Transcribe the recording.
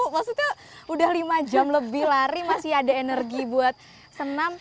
maksudnya udah lima jam lebih lari masih ada energi buat senam